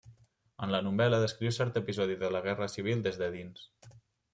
En la novel·la descriu cert episodi de la guerra civil des de dins.